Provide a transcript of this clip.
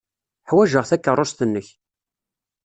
Ḥwajeɣ takeṛṛust-nnek.